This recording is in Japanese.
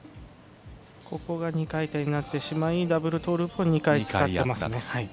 ここが２回転になってしまいダブルトーループを２回使っていますね。